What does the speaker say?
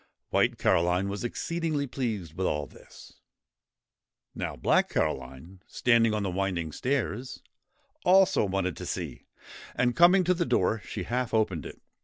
White Caroline was exceedingly pleased with all this. Now Black Caroline, standing on the winding stairs, also wanted to see ; and, coming to the door, she half opened it.